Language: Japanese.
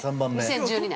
２０１２年。